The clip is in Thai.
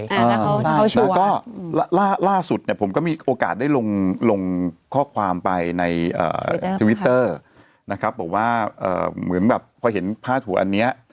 แล้วก็ล่าสุดเนี่ยผมก็มีโอกาสได้ลงลงข้อความไปในทวิตเตอร์นะครับบอกว่าเหมือนแบบพอเห็นพาดหัวอันนี้